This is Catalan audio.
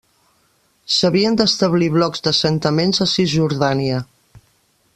S'havien d'establir blocs d'assentaments a Cisjordània.